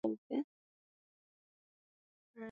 Minyoo ya tumboni au tegu